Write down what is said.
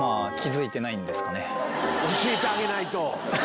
教えてあげないと。